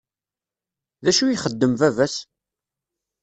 D acu ixeddem baba-s?